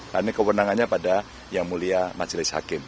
karena kewenangannya pada yang mulia majelis hakim